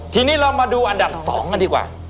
ทีนี้เรามาดูอันดับ๒กันดีกว่า